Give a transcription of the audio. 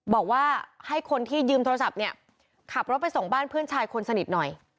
บอกว่าให้คนที่ยืมโทรศัพท์เนี่ยขับรถไปส่งบ้านเพื่อนชายคนสนิทหน่อย